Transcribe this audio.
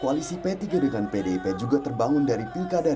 koalisi p tiga dengan pdip juga terbangun dari pilkada